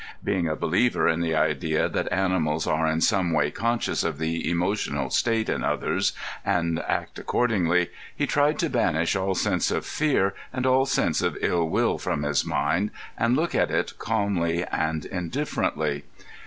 Being a believer in the idea that animals are in some way conscious of the emotional state in others and act accordingly, he tried to banish all sense of fear and all sense of ill will from his mind, and look at it calmly and indifferently.